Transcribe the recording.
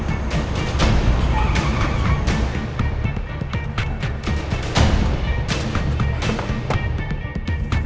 bakal di miserable